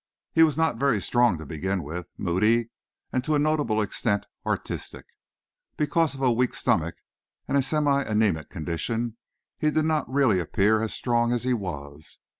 He was not very strong to begin with, moody, and to a notable extent artistic. Because of a weak stomach and a semi anæmic condition, he did not really appear as strong as he was.